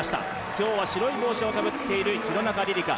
今日は白い帽子をかぶっている廣中璃梨佳。